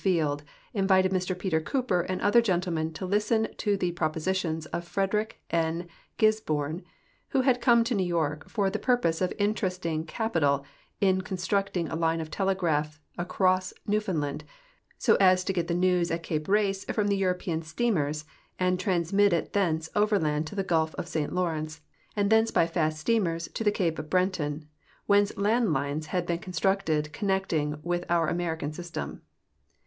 Field invited Mr Peter Cooper and other gentlemen to listen to the jiropo.sitions of P'rederick N. Gisborne, who had come to New York for the purpose of interesting cajiital in con structing a line of telegrajih across Newfoundland, so as to get the news at cape Race from the European steamers and trans mit it thence overland to the gulf of St. Lawrence and thence by fast steamers to cape Breton, whence land lines had been constructed connecting with our American system.